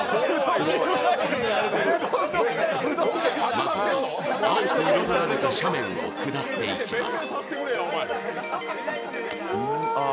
まずは青く彩られた斜面を下っていきます。